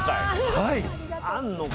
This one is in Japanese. はい。